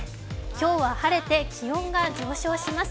今日は晴れて気温が上昇します。